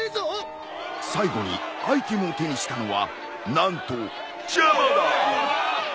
最後にアイテムを手にしたのは何とチャマだ！